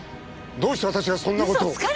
どうして私がそんな事を？